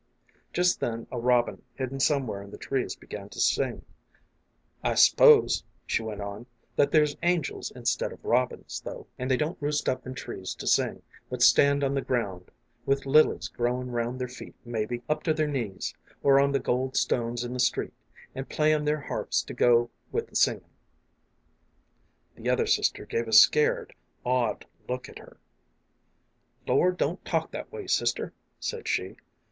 Just then a robin hidden somewhere in the trees began to sing. " I s'pose," she went on, "that there's angels instead of robins, though, and they don't roost up in trees to sing, but stand on the ground, with lilies growiti' round their feet, maybe, up to their knees, or on the gold stones in the street, an' play on their harps to go with the singin'." The other sister gave a scared, awed look at her. " Lor, don't talk that way, sister," said she.